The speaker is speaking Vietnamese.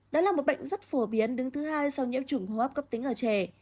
đó là một bệnh rất phổ biến đứng thứ hai sau nhiễm chủng hô hấp cấp tính ở trẻ